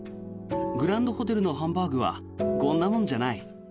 グランドホテルのハンバーグはこんなもんじゃない。